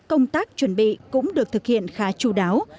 công tác chuẩn bị cũng được thực hiện khá chú đáo